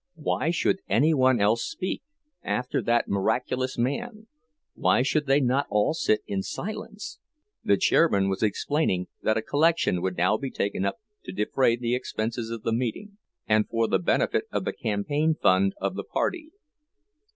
Why should any one else speak, after that miraculous man—why should they not all sit in silence? The chairman was explaining that a collection would now be taken up to defray the expenses of the meeting, and for the benefit of the campaign fund of the party.